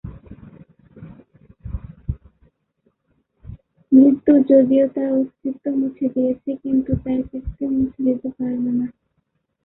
মৃত্যু যদিও তার অস্তিত্ব মুছে দিয়েছে কিন্তু তার কীর্তি মুছে দিতে পারবে না।